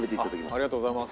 ありがとうございます。